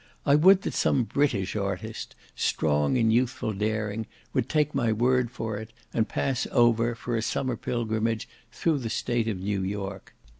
I would that some British artist, strong in youthful daring, would take my word for it, and pass over, for a summer pilgrimage through the State of New York.